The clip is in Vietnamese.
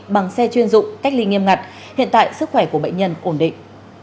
bằng xe chuyên dụng cách ly nghiêm ngặt hiện tại sức khỏe của bệnh nhân ổn định